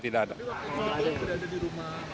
rumah stiano fanto